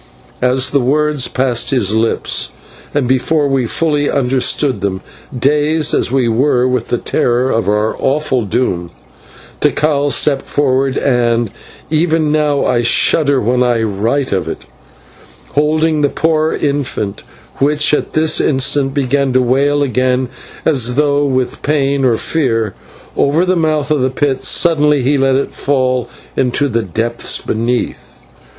As the words passed his lips, and before we fully understood them, dazed as we were with the horror of our awful doom, Tikal stepped forward and even now I shudder when I write of it holding the poor infant, which at this instant began to wail again as though with pain or fear, over the mouth of the pit, suddenly he let it fall into the depths beneath.